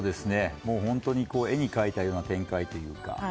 本当に絵に描いたような展開というか。